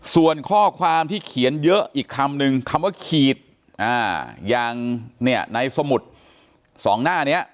ส่วนข้อความที่เขียนเยอะอีกคำนึงคำว่าขีดอย่างเนี่ยในสมุดสองหน้านี้